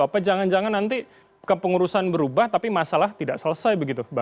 apa jangan jangan nanti kepengurusan berubah tapi masalah tidak selesai begitu